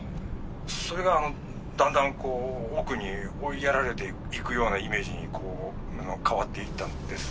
それがだんだんこう奥に追いやられていくようなイメージに変わっていったんです